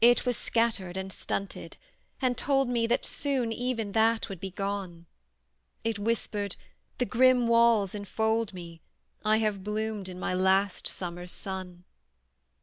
It was scattered and stunted, and told me That soon even that would be gone: It whispered, "The grim walls enfold me, I have bloomed in my last summer's sun."